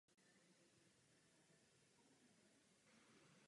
August Sauer byl členem bavorské a rakouské Akademie věd.